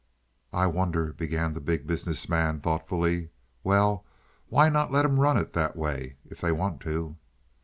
"I wonder " began the Big Business Man thoughtfully. "Well, why not let them run it that way, if they want to?"